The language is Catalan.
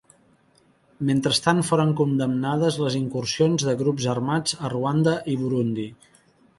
Mentrestant foren condemnades les incursions de grups armats a Ruanda i Burundi.